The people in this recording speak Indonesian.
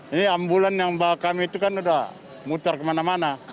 ini ambulan yang bawa kami itu kan udah muter kemana mana